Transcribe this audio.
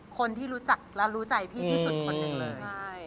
คนที่รู้จักและรู้ใจพี่ที่สุดคนหนึ่งเลยใช่